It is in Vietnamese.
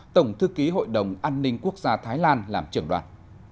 tổng thư ký hội đồng an ninh quốc gia thái lan làm trưởng đoàn